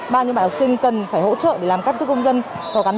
bao nhiêu bạn học sinh cần phải hỗ trợ để làm căn cứ công dân